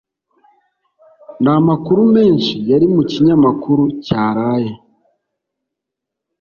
Nta makuru menshi yari mu kinyamakuru cyaraye